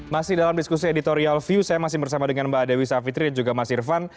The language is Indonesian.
masih dalam diskusi editorial view saya masih bersama dengan mbak dewi savitri dan juga mas irvan